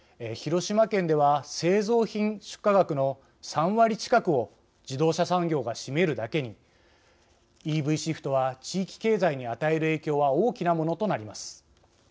広島県では製造品出荷額の３割近くを自動車産業が占めるだけにＥＶシフトは地域経済に与える影響は大きなものとなります。